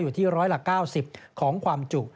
อยู่ที่ร้อยละ๙๐ของความจุ